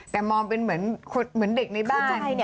แต่มองเป็นเหมือนเด็กในบ้านกัน